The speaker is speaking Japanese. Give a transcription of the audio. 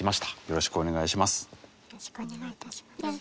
よろしくお願いします。